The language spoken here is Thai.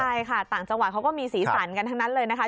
ใช่ค่ะต่างจังหวัดเขาก็มีสีสันกันทั้งนั้นเลยนะคะ